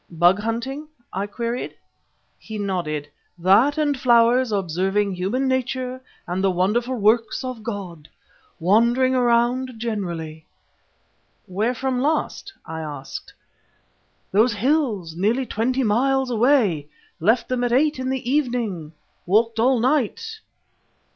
"Bug hunting?" I queried. He nodded. "That and flowers and observing human nature and the wonderful works of God. Wandering around generally." "Where from last?" I asked. "Those hills nearly twenty miles away. Left them at eight in the evening; walked all night."